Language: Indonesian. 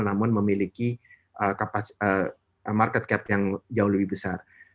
namun memiliki market cap yang jauh lebih besar